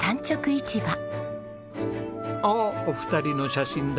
あっお二人の写真だ。